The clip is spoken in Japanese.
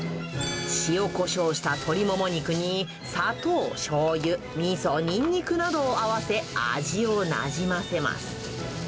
塩こしょうした鶏もも肉に、砂糖、しょうゆ、みそ、ニンニクなどを合わせ、味をなじませます。